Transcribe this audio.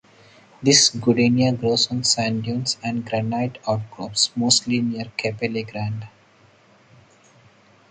This goodenia grows on sand dunes and granite outcrops mostly near Cape Le Grand.